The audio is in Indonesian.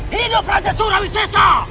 hidup raja surawisisa